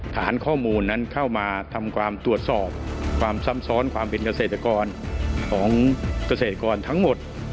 ฐานข้อมูลนั้นเข้ามาทำความตรวจสอบความซ้ำซ้อนความเป็นเกษตรกรของเกษตรกรทั้งหมด